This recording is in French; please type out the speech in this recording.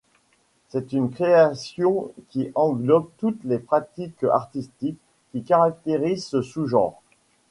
C'est une création qui englobe toutes les pratiques artistiques qui caractérisent ce sous-genre.